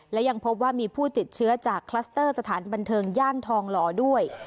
และยังพบว่ามีผู้ติดเชื้อจากคลัสเตอร์สถานบันเทิงย่านทองหล่อด้วย